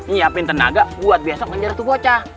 nyiapin tenaga buat besok ngejar itu bocah